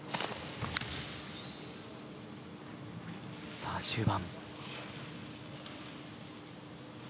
さあ、終盤。